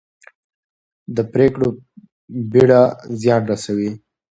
د پرېکړو بېړه زیان رسوي